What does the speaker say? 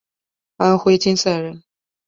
安徽金寨人。